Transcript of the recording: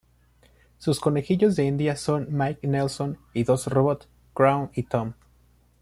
Sus conejillos de indias son Mike Nelson y dos robots, Crow y Tom.